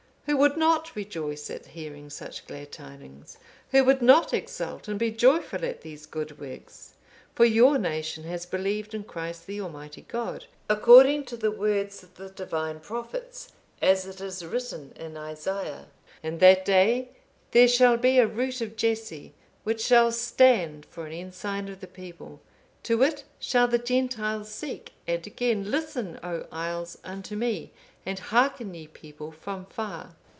Who would not rejoice at hearing such glad tidings? Who would not exult and be joyful at these good works? For your nation has believed in Christ the Almighty God, according to the words of the Divine prophets, as it is written in Isaiah, 'In that day there shall be a root of Jesse, which shall stand for an ensign of the people; to it shall the Gentiles seek.'(502) And again, 'Listen, O isles, unto me, and hearken ye people from far.